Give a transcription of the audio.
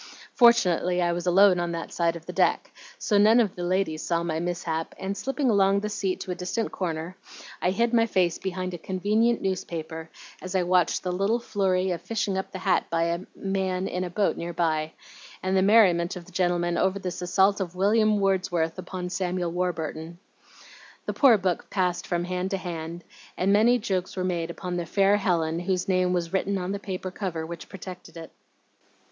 Fortunately I was alone on that side of the deck, so none of the ladies saw my mishap and, slipping along the seat to a distant corner, I hid my face behind a convenient newspaper, as I watched the little flurry of fishing up the hat by a man in a boat near by, and the merriment of the gentlemen over this assault of William Wordsworth upon Samuel Warburton. The poor book passed from hand to hand, and many jokes were made upon the 'fair Helen' whose name was written on the paper cover which projected it.